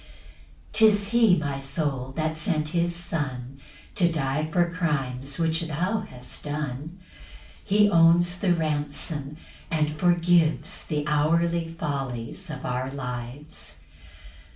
3 'Tis he, my soul, that sent his Son To die for crimes which thou hast done; He owns the ransom; and forgives The hourly follies of our lives.